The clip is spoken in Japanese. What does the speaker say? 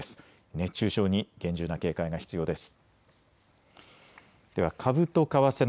熱中症に厳重な警戒が必要です。